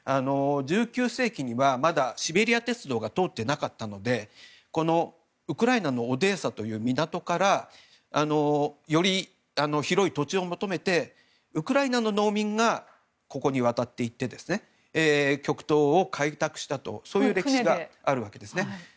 １９世紀にはまだシベリア鉄道が通っていなかったのでウクライナのオデーサという港からより広い土地を求めてウクライナ農民がここに渡っていって極東を開拓したという歴史があるわけですね。